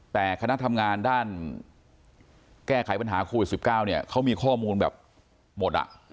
แต่คณะทำงานด้านแก้ไขปัญหาโควิด๑๙เนี่ยเขามีข้อมูลแบบหมด